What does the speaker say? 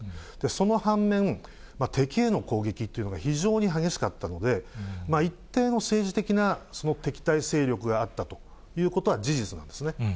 その反面、敵への攻撃というのが非常に激しかったので、一定の政治的な敵対勢力があったということは事実なんですね。